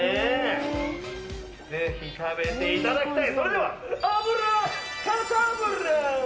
ぜひ食べていただきたい。